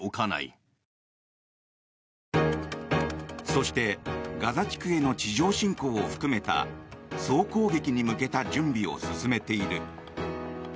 そして、ガザ地区への地上侵攻を含めた総攻撃に向けた準備を進めている。